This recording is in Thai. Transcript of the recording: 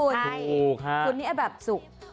คุณนี่เนี้ยแบบสุก